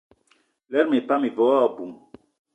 Lerma epan ive wo aboum.